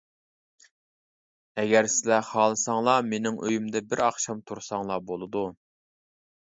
ئەگەر سىلەر خالىساڭلار مېنىڭ ئۆيۈمدە بىر ئاخشام تۇرساڭلار بولىدۇ.